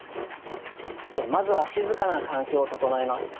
まずは静かな環境を整えます。